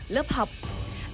lớp học và đại học